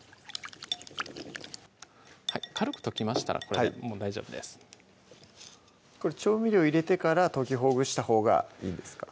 軽く溶きましたらこれでもう大丈夫ですこれ調味料入れてから溶きほぐしたほうがいいですか？